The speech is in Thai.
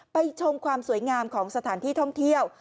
ชมความสวยงามของสถานที่ท่องเที่ยว